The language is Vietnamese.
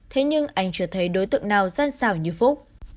thế nhưng anh chưa thấy đối tượng nào gian xảo như phúc